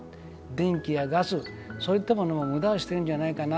電気やガス、そういったものもむだをしてるんじゃないかな。